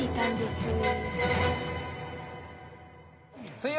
水曜